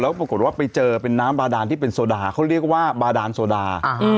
ปรากฏว่าไปเจอเป็นน้ำบาดานที่เป็นโซดาเขาเรียกว่าบาดานโซดา